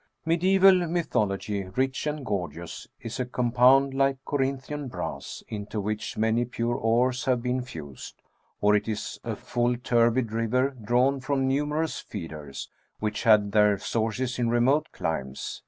Mediaeval mythology, rich and gorgeous^ is a com pound like Corinthian brass, into which many pure ores have been fused, or it is a full turbid river drawn from numerous feeders, which had their sources in remote climes.